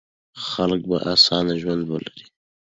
خلک به اسانه ژوند ولري.